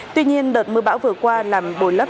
tuy nhiên đợt mưa bão vừa qua làm bồi lấp